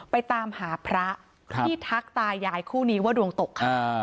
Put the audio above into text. ไปตามหาพระที่ทักตายายคู่นี้ว่าดวงตกค่ะ